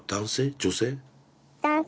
女性？